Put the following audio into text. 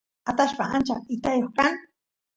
atashpa achka itayoq kan